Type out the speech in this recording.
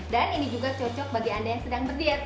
dan ini juga cocok bagi anda yang sedang berdiet